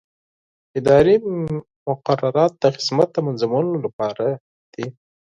اداري مقررات د خدمت د منظمولو لپاره دي.